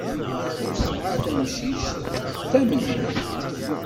Yesεa tamcict d tamellalt.